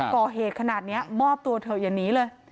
ก่อเหตุขนาดนี้มอบตัวเถอะอย่าหนีเลย